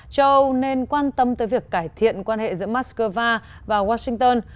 châu âu nên quan tâm tới việc cải thiện quan hệ giữa moscow và washington